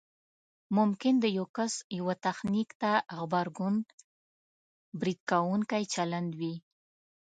ممکن د یو کس یوه تخنیک ته غبرګون برید کوونکی چلند وي